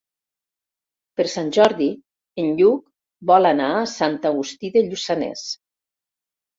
Per Sant Jordi en Lluc vol anar a Sant Agustí de Lluçanès.